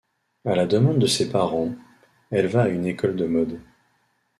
À la demande de ses parents, elle va à une école de mode.